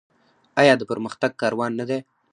آیا د پرمختګ کاروان نه دی؟